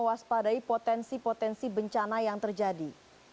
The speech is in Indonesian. waspadai potensi potensi bencana yang terjadi